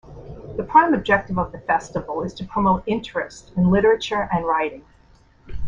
The prime objective of the festival is to promote interest in literature and writing.